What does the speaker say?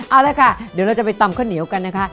เอาละค่ะเดี๋ยวเราจะไปตำข้าวเหนียวกันนะคะ